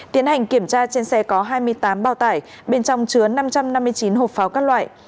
tiến hành kiểm tra trên xe có hai mươi tám bao tải bên trong chứa năm trăm năm mươi chín hộp pháo các loại